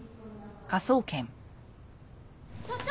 所長！